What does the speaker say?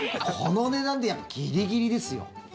この値段でギリギリですよ。